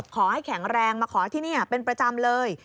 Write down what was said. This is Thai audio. ขอให้แข็งแรงมาขอที่นี่เป็นประจำเลย